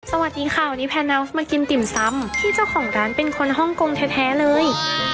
สวัสดีค่ะวันนี้แนวส์มากินติ่มซ้ำที่เจ้าของร้านเป็นคนฮ่องกงแท้เลย